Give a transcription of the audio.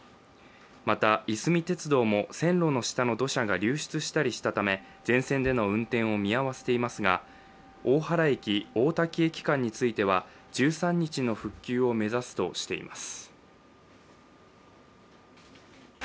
また、いすみ鉄道も線路の下の土砂が流出したりしたため全線での運転を見合わせていますが大原−大多喜駅間については１３日の復旧を目指すとしています。